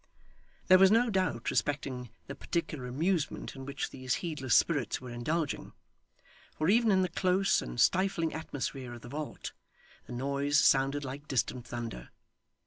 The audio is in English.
There was no doubt respecting the particular amusement in which these heedless spirits were indulging, for even in the close and stifling atmosphere of the vault, the noise sounded like distant thunder.